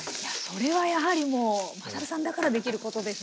それはやはりもうまさるさんだからできることですよね。